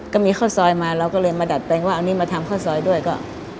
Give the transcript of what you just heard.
ก็มีข้าวซอยมาเราก็เลยมาดัดแปลงว่าเอานี่มาทำข้าวซอยด้วยก็